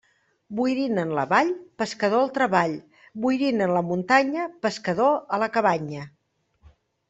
Boirina en la vall, pescador al treball; boirina en la muntanya, pescador a la cabanya.